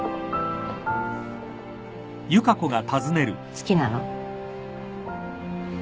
好きなの？